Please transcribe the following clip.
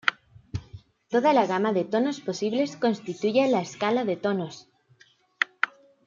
Toda la gama de tonos posibles constituye la escala de tonos.